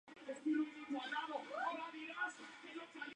Este apeadero fue construido por el propietario de la estancia de Santa Rita.